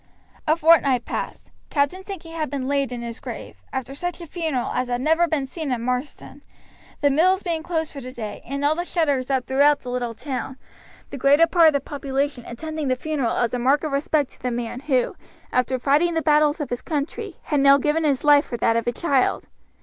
A fortnight passed. Captain Sankey had been laid in his grave, after such a funeral as had never been seen in Marsden, the mills being closed for the day, and all the shutters up throughout the little town, the greater part of the population attending the funeral as a mark of respect to the man who, after fighting the battles of his country, had now given his life for that of a child.